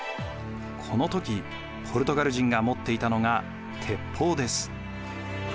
この時ポルトガル人が持っていたのが鉄砲です。